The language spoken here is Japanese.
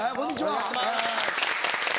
お願いします。